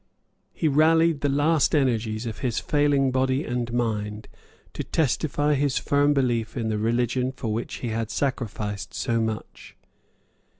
He rallied the last energies of his failing body and mind to testify his firm belief in the religion for which he had sacrificed so much.